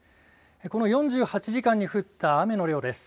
この４８時間に降った雨の量です。